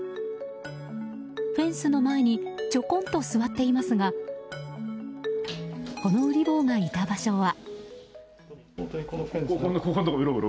フェンスの前にちょこんと座っていますがこのウリ坊がいた場所は。